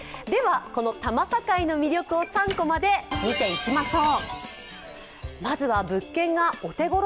この多摩境の魅力を「３コマ」で見ていきましょう。